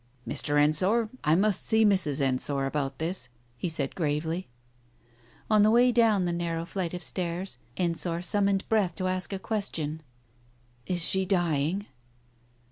"Mr. Ensor, I must see Mrs. Ensor about this," he said gravely. On the way down the narrow flight of stairs Ensor summoned breath to ask a question. "Is she dying?"